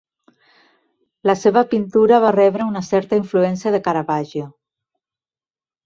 La seva pintura va rebre una certa influència de Caravaggio.